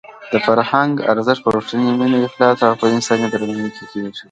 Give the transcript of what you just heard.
د فرهنګ ارزښت په رښتونې مینه، اخلاص او په انساني درناوي کې دی.